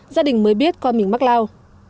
gia đình mới biết con mình mắc lao